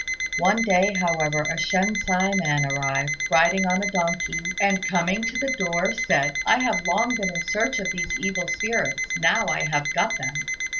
One day, however, a Shensi man arrived, riding on a donkey, and coming to the door said, "I have long been in search of these evil spirits: now I have got them."